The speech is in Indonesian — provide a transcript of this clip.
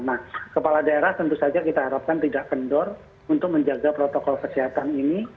nah kepala daerah tentu saja kita harapkan tidak kendor untuk menjaga protokol kesehatan ini